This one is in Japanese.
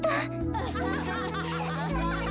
アハハハ。